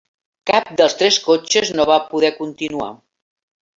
Cap dels tres cotxes no va poder continuar.